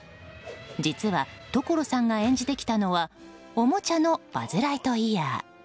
実は、所さんが演じてきたのはおもちゃのバズ・ライトイヤー。